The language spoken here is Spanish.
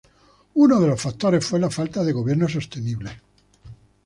Uno de los factores fue la falta del gobierno sostenible.